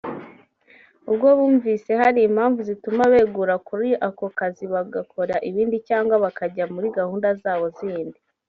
ubwo bumvise hari impamvu zituma begura kuri ako kazi bagakora ibindi cyangwa bakajya muri gahunda zabo zindi